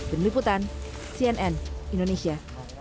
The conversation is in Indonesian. den liputan cnn indonesia